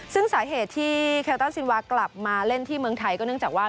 ซึ่งสาเหตุที่เคลต้าซินวากลับมาเล่นที่เมืองไทยก็เนื่องจากว่า